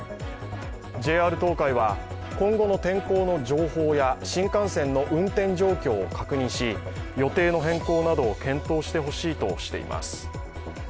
ＪＲ東海は今後の天候の情報や新幹線の運転状況を確認し予定の変更などを検討してほしいとしています。